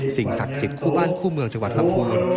สิ่งศักดิ์สิทธิ์คู่บ้านคู่เมืองจังหวัดลำพูน